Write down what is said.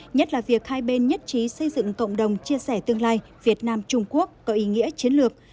nhất là việc hai bên nhất trí xây dựng cộng đồng chia sẻ tương lai việt nam trung quốc có ý nghĩa chiến lược